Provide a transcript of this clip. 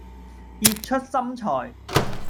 別出心裁